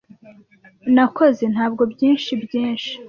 nakoze ntabwo byinshi byinshi